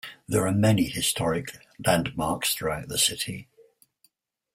There are many historic landmarks throughout the city.